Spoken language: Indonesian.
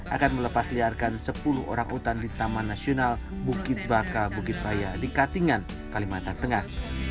akan melepas liarkan sepuluh orang utan di taman nasional bukit baka bukit raya di katingan kalimantan tengah